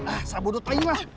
ah sabudut lagi mas